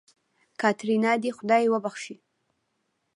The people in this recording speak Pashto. کاتېرينا دې خداى وبښي.